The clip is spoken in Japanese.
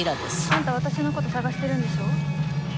あんた私のこと捜してるんでしょ？